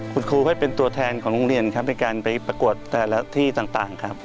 คุณครูก็เป็นตัวแทนของโรงเรียนครับในการไปประกวดแต่ละที่ต่างครับ